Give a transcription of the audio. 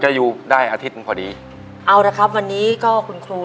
ในแคมเปญพิเศษเกมต่อชีวิตโรงเรียนของหนู